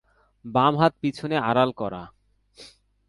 বাম হাত পিছনে আড়াল করা।